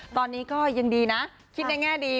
ตอนนี้ก็ยังดีนะคิดในแง่ดี